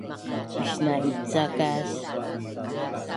Misna’ica kas?